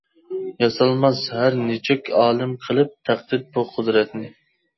ياسالماس ھەر نېچۈك ئالىم قىلىپ تەقلىد بۇ قۇدرەتنى.